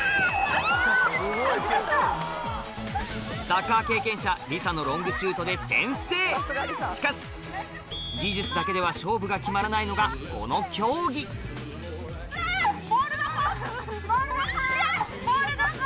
サッカー経験者りさのロングシュートで先制しかし技術だけでは勝負が決まらないのがこの競技ボールどこ？